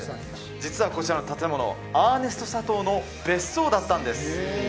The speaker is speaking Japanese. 実はこちらの建物アーネスト・サトウの別荘だったんです